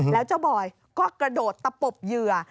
แล้วเจ้าบอยก็กระโดดตะปบเหยื่อ